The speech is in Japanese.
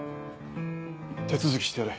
手続きしてやれ。